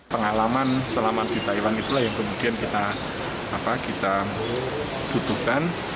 pengalaman selama di taiwan itulah yang kemudian kita butuhkan